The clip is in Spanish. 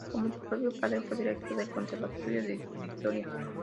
Como su propio padre, fue director del Conservatorio de Vitoria.